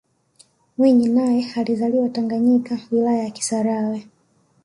mwinyi naye alizaliwa tanganyika wilaya ya kisarawe